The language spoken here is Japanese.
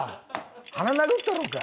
鼻殴ったろうか？